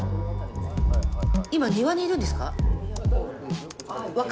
今庭にいるんですか？